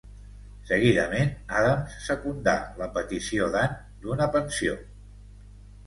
Seguidament, Adams secundà la petició d'Anne d'una pensió.